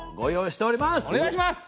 お願いします！